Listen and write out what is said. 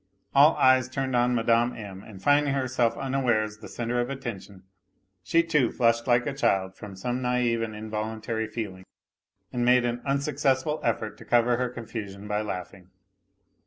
All eyes turned on Mme. M.. and finding herself unawares the centre of attention, she, too, flushed like a child from some naive and involuntary feeling and made an unsuccessful effort to cover her confusion by laughing.